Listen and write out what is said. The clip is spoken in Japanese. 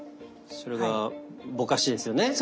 それがぼかしですよね？